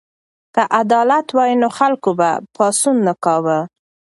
که عدالت وای نو خلکو به پاڅون نه کاوه.